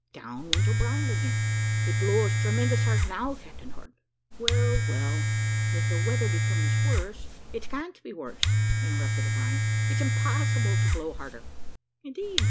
Down went O'Brien again. "It blows tremendous hard now, Captain Horton." "Well, well, if the weather becomes worse " "It can't be worse," interrupted O'Brien; "it's impossible to blow harder." "Indeed!